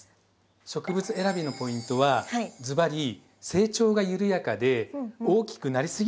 植物選びのポイントはずばり成長が緩やかで大きくなりすぎない植物です。